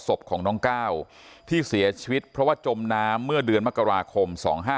ศพของน้องก้าวที่เสียชีวิตเพราะว่าจมน้ำเมื่อเดือนมกราคม๒๕๕๙